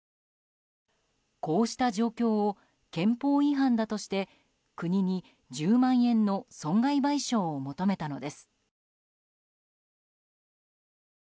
こうした状況を憲法違反だとして国に１０万円の損害賠償を求めたのです。